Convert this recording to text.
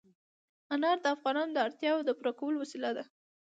انار د افغانانو د اړتیاوو د پوره کولو وسیله ده.